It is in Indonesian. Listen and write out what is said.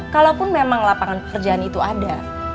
kalaupun memang lapangan pekerjaan itu ada